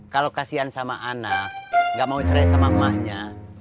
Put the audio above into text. kalo kasian sama anak gak mau cerai sama emahnya